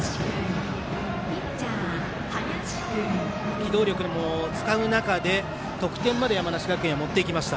機動力も使う中で得点まで山梨学院は持っていきました。